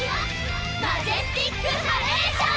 マジェスティックハレーション！